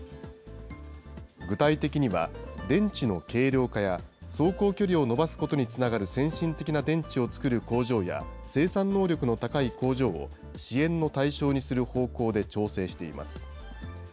具体的には、電池の軽量化や、走行距離を伸ばすことにつながる先進的な電池をつくる工場や、生産能力の高い工場を支援の対象にする方向で調整しています。